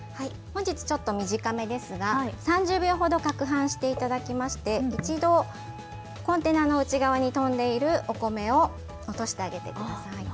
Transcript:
本日、短めですが３０秒ほどかくはんしていただいて１度、コンテナの内側に飛んでいるお米を落としてあげてください。